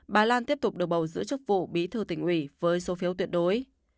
bà lan tiếp tục được bầu giữ chức vụ bí thư tỉnh ủy với số phiếu tuyệt đối